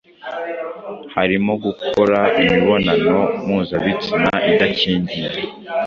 harimo gukora imibonano mpuzabitsina idakingiye